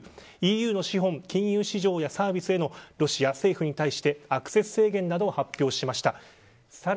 ＥＵの資本・金融市場やサービスへのロシア政府に対するアクセス制限などを発表しました。